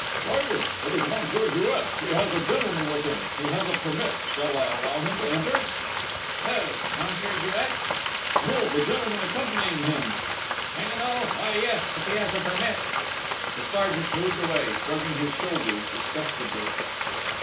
"Sergeant, it is Monsieur Jouet. He has a gentleman with him. He has a permit. Should I allow him to enter?" "Who? Monsieur Jouet?" "No, the gentleman accompanying him!" "Hang it all! Why, yes if he has a permit!" The sergeant moved away shrugging his shoulders disgustedly.